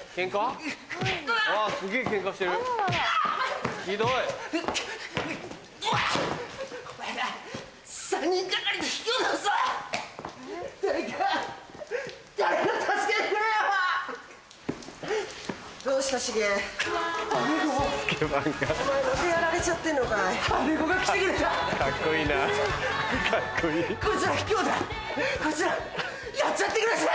こいつらやっちゃってください！